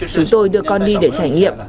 chúng tôi đưa con đi để trải nghiệm